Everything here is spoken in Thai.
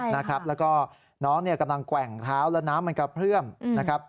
แล้วก็น้องเนี่ยกำลังแกว่งเท้าแล้วน้ำมันกระเพื่อมนะครับ